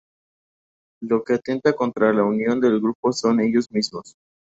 Lo que atenta contra la unión del grupo son ellos mismos.